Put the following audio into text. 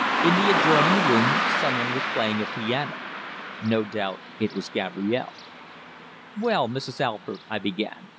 In the adjoining room someone was playing a piano; no doubt it was Gabrielle. "Well, Mrs. Alford," I began.